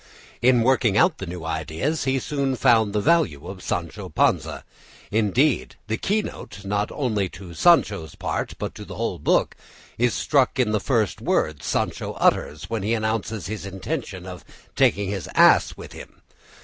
In working out the new ideas, he soon found the value of Sancho Panza. Indeed, the keynote, not only to Sancho's part, but to the whole book, is struck in the first words Sancho utters when he announces his intention of taking his ass with him.